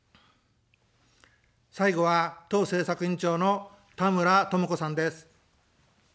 最後は党政策委員長の田村智子さんです。